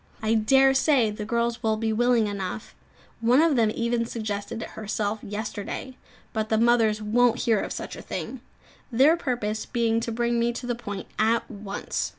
I dare say the girls would be willing enough one of them even suggested it herself yesterday; but the mothers won't hear of such a thing, their purpose being to bring me to the point at once.